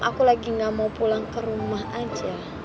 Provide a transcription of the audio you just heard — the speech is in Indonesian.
aku lagi gak mau pulang ke rumah aja